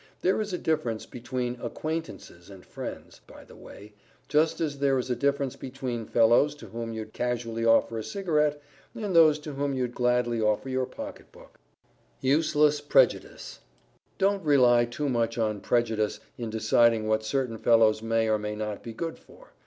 There is a difference between acquaintances and friends, by the way, just as there is a difference between fellows to whom you'd casually offer a cigarette and those to whom you'd gladly offer your pocket book. [Sidenote: USELESS PREJUDICE] Don't rely too much on prejudice in deciding what certain fellows may or may not be good for.